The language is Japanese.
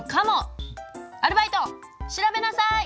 アルバイト調べなさい！